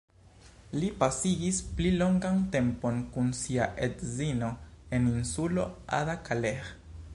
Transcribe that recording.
Li pasigis pli longan tempon kun sia edzino en insulo Ada-Kaleh.